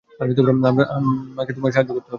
আমাকে তোমার সাহায্য করতে হবে।